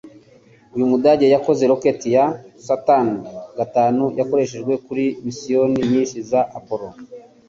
Uyu mudage yakoze roketi ya Saturn V yakoreshejwe kuri misiyoni nyinshi za Apollo